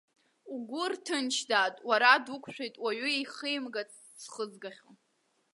Угәы рҭынч, дад, уара дуқәшәеит, уаҩы ихимгац зхызгахьоу!